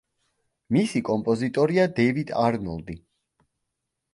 მისი კომპოზიტორია დევიდ არნოლდი.